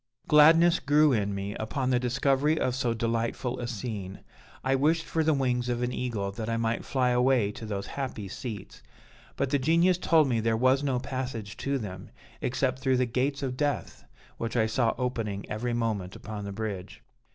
"Gladness grew in me upon the discovery of so delightful a scene. I wished for the wings of an eagle, that I might fly away to those happy seats; but the Genius told me there was no passage to them, except through the gates of Death, which I saw opening every moment upon the bridge.